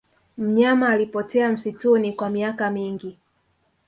mnyama alipotea msituni kwa miaka mingi